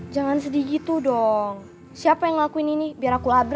yaudah yuk al